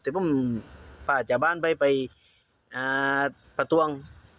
แต่ผมพาจอบบ้านไปไปประตวง